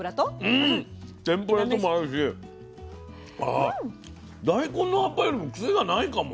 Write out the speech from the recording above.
うん天ぷらとも合うし大根の葉っぱよりも癖がないかも。